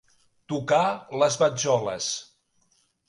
Tocar les batzoles.